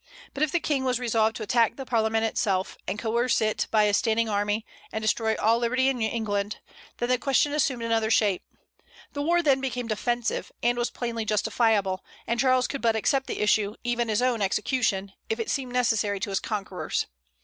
But if the King was resolved to attack the Parliament itself, and coerce it by a standing army, and destroy all liberty in England, then the question assumed another shape; the war then became defensive, and was plainly justifiable, and Charles could but accept the issue, even his own execution, if it seemed necessary to his conquerors.